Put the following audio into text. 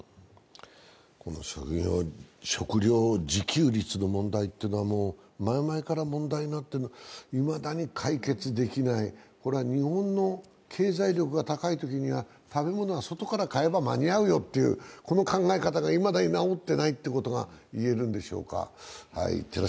この食料自給率の問題は前々から問題になっていますが、いまだに解決できない、これは日本の経済力が高いときには食べ物は外から買えば間に合うよという、この考え方がいまだに直ってないということが言えるんでしょうか。